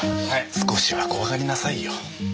少しは怖がりなさいよ。